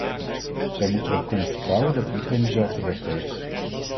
Zij moeten erop kunnen vertrouwen dat iedereen dezelfde rechten heeft.